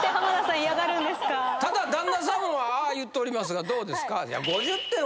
ただ旦那さんはああ言っておりますがどうですか。